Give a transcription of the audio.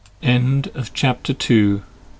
END OF CHAPTER II. p.